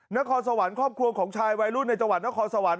นครสวรรค์ครอบครัวของชายวัยรุ่นในจังหวัดนครสวรรค